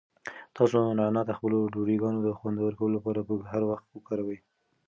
تاسو نعناع د خپلو ډوډۍګانو د خوندور کولو لپاره په هر وخت وکاروئ.